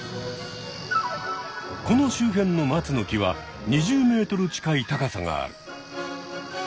この周辺のマツの木は２０ｍ近い高さがある。